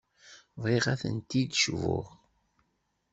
Bɣiɣ ad tent-id-cbuɣ.